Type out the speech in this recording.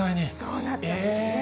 そうなんですね。